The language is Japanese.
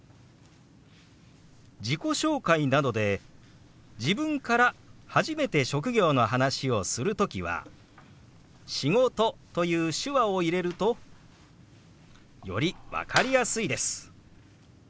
自己紹介などで自分から初めて職業の話をする時は「仕事」という手話を入れるとより分かりやすいです。